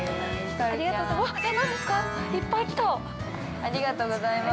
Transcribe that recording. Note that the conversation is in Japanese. ◆ありがとうございます。